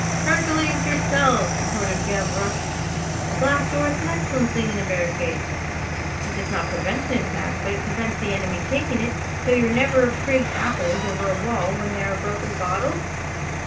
"Hercules yourselves!" retorted Gavroche. "A glass door is an excellent thing in a barricade. It does not prevent an attack, but it prevents the enemy taking it. So you've never prigged apples over a wall where there were broken bottles?